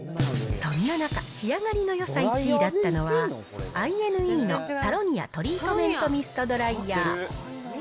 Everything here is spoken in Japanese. そんな中、仕上がりのよさ１位だったのは、アイ・エヌ・イーのサロニア・トリートメントミストドライヤー。